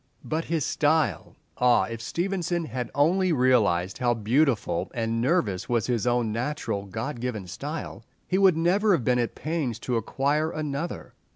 But his style! Ah, if Stevenson had only realized how beautiful and nervous was his own natural God given style, he would never have been at pains to acquire another!